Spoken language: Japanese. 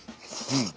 うん。